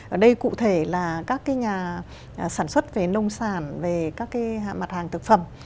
ở đây cụ thể là các nhà sản xuất về nông sản về các cái mặt hàng thực phẩm